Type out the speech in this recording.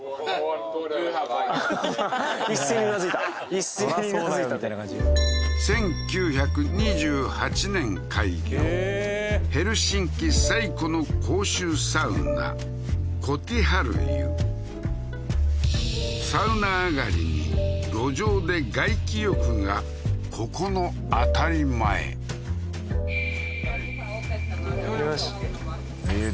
一斉に頷いた１９２８年開業ヘルシンキ最古の公衆サウナコティハルユサウナ上がりに路上で外気浴がここの当たり前ええー